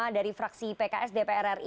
dari fraksi pks dpr ri